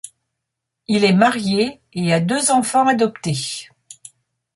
Il est marié et a deux enfants adoptés.